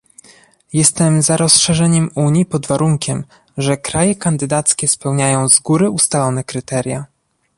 Jestem za rozszerzaniem Unii pod warunkiem, że kraje kandydackie spełniają z góry ustalone kryteria